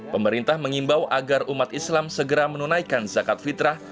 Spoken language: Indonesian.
pemerintah mengimbau agar umat islam segera menunaikan zakat fitrah